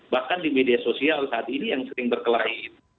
bahkan di media sosial saat ini yang sering berkelahi